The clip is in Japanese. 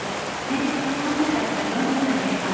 年齢は３０代から４０代前半。